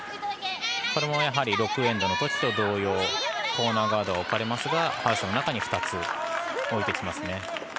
これも６エンドのときと同様コーナーガードは置かれますがハウスの中に２つ置いてきますね。